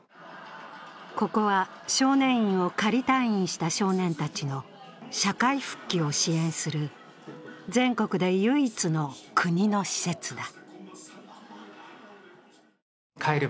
ここは少年院を仮退院した少年たちの社会復帰を支援する全国で唯一の国の施設だ。